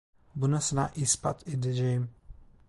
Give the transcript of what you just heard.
Bunu sana ispat edeceğim…